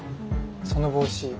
その帽子